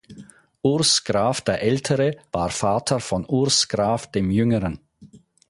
Urs Graf der Ältere war Vater von Urs Graf dem Jüngeren.